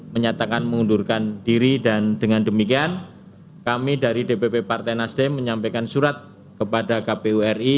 menyatakan mengundurkan diri dan dengan demikian kami dari dpp partai nasdem menyampaikan surat kepada kpu ri